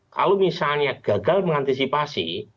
kalau misalnya gagal mengantisipasi